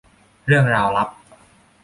เรื่องราวลับ